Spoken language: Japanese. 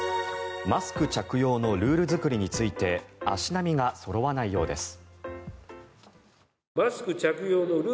マスク着用のルール作りについて足並みがそろわないようです。